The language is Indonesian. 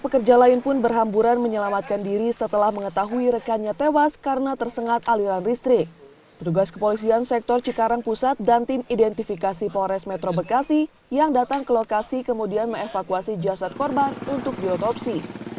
karena tersengat aliran listrik petugas kepolisian sektor cikarang pusat dan tim identifikasi polres metro bekasi yang datang ke lokasi kemudian meevakuasi jasad korban untuk diotopsi